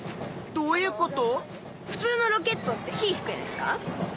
どういうこと？